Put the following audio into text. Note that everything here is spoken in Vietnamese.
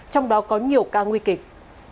trong đó có nhiều ca nguy kịch